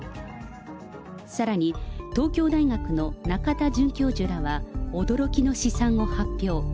さらに、東京大学の仲田准教授らは、驚きの試算を発表。